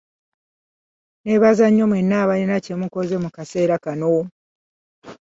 Nneebaza nnyo mwenna abalina kye bakoze mu kaseera kano.